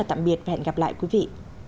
xin chào tạm biệt và hẹn gặp lại quý vị